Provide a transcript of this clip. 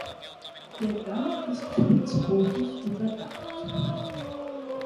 Der Gang ist spitzbogig überdacht.